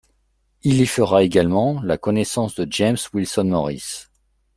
Il y fera également la connaissance de James Wilson Morrice.